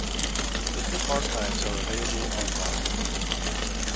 The full archives are available online.